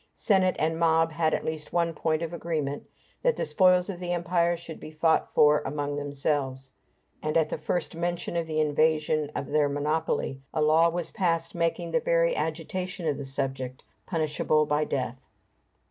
Senate and mob had at least one point of agreement, that the spoils of the Empire should be fought for among themselves; and at the first mention of the invasion of their monopoly a law was passed making the very agitation of the subject punishable by death.